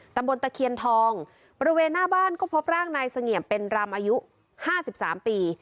ตะบนตะเคียนทองบริเวณหน้าบ้านก็พบร่างนายเสงี่ยมเป็นรำอายุห้าสิบสามปี